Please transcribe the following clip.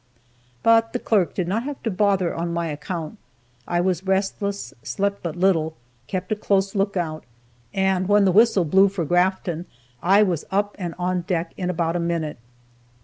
But the clerk did not have to bother on my account; I was restless, slept but little, kept a close lookout, and when the whistle blew for Grafton, I was up and on deck in about a minute.